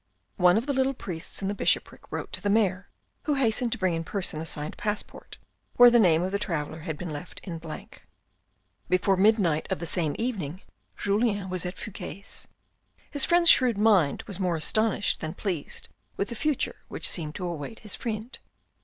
One of the little priests in the bishopric wrote to the mayor, who hastened to bring in person a signed ■ AN AMBITIOUS MAN 221 passport, where the name of the traveller had been left in blank. Before midnight of the same evening, Julien was at Fouque's. His friend's shrewd mind was more astonished than pleased with the future which seemed to await his friend.